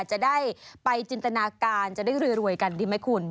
จะได้ไปจินตนาการจะได้รวยกันดีไหมคุณ